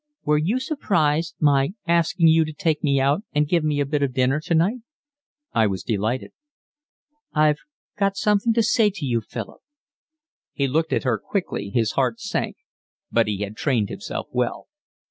"Were you surprised, my asking you to take me out and give me a bit of dinner tonight?" "I was delighted." "I've got something to say to you, Philip." He looked at her quickly, his heart sank, but he had trained himself well.